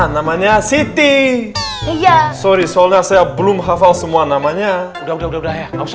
namanya city sorry soalnya saya belum hafal semua namanya udah udah ya